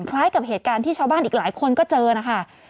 คล้ายกับเหตุการณ์ที่ชาวบ้านอีกหลายคนก็เจอนะคะ